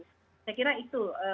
saya kira itu